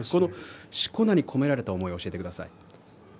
込められた思いを教えてください。